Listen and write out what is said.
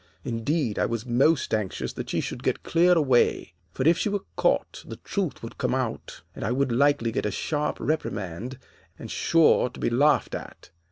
Indeed, I was most anxious that she should get clear away, for if she were caught the truth would come out, and I was likely to get a sharp reprimand, and sure to be laughed at.